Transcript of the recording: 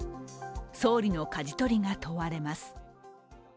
総理のかじ取りが問われます。